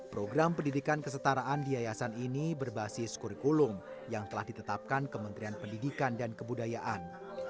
program pendidikan kesetaraan di yayasan ini berbasis kurikulum yang telah ditetapkan kementerian pendidikan dan kebudayaan